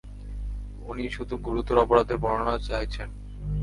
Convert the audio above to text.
উনি শুধু গুরুতর অপরাধের বর্ণনা চায়ছেন।